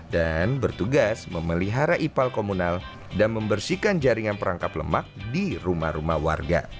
dan bertugas memelihara ipal komunal dan membersihkan jaringan perangkap lemak di rumah rumah warga